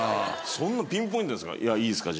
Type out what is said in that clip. そんなピンポイントですかいいですか？